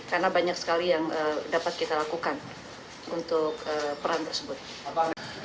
karena banyak sekali yang dapat kita lakukan untuk peran tersebut